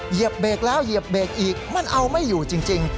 เหยียบเบรกแล้วเหยียบเบรกอีกมันเอาไม่อยู่จริง